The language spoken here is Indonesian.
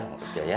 mau kerja ya